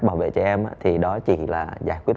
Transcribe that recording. bảo vệ trẻ em thì đó chỉ là giải quyết